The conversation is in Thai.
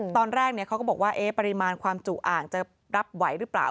ตอนแรกเขาก็บอกว่าปริมาณความจุอ่างจะรับไหวหรือเปล่า